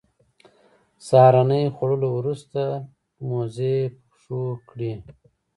سهارنۍ خوړلو وروسته موزې پر پښو کړې.